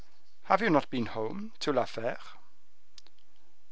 "Have you not been home, to La Fere?"